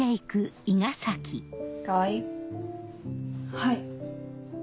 はい。